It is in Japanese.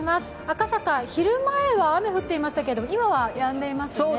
赤坂、昼前は雨降ってましたけど今はやんでますね。